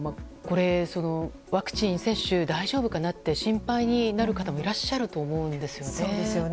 ワクチン接種大丈夫かなと心配になる方もいらっしゃると思うんですよね。